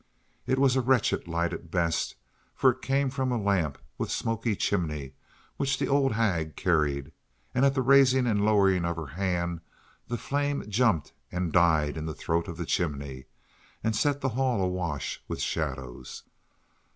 It was a wretched light at best, for it came from a lamp with smoky chimney which the old hag carried, and at the raising and lowering of her hand the flame jumped and died in the throat of the chimney and set the hall awash with shadows.